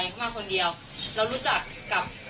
ของมันตกอยู่ด้านนอก